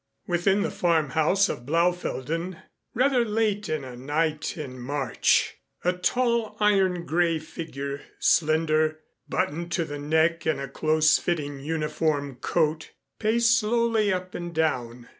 Within the farmhouse of Blaufelden, rather late in a night in March a tall iron gray figure, slender, buttoned to the neck in a close fitting uniform coat, paced slowly up and down.